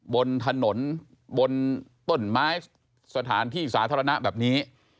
บนถนนบนต้นไม้สถานที่สาธารณะแบบนี้